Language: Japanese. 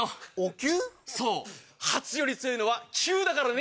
そうハチより強いのはキュウだからね。